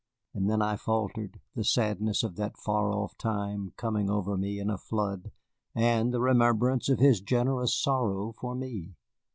And then I faltered, the sadness of that far off time coming over me in a flood, and the remembrance of his generous sorrow for me.